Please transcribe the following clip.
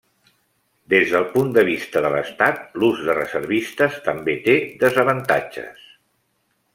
Des del punt de vista de l'Estat, l'ús de reservistes també té desavantatges.